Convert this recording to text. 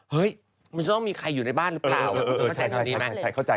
เฮ้ยมันจะต้องมีใครอยู่ในบ้านหรือเปล่าเข้าใจคำนี้ไหม